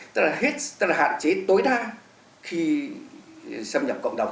tức là hạn chế tối đa khi xâm nhập cộng đồng